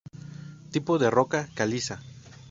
Tipo de roca: Caliza.